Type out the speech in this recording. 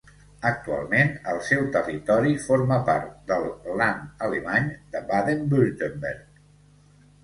Actualment el seu territori forma part del Land alemany de Baden-Württemberg.